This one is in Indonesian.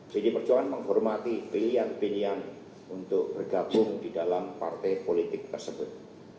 jadi perjuangan menghormati pilihan pilihan untuk bergabung di dalam partai politik tersebut